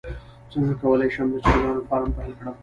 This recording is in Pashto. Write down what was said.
څنګه کولی شم د چرګانو فارم پیل کړم